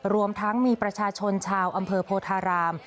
รวมทั้งมีประชาชนชาวอำเภอโพธาราม